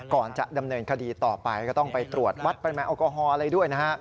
ก่อนจะดำเนินคดีต่อไปก็ต้องไปตรวจวัดปริมาณแอลกอฮอล์อะไรด้วยนะฮะ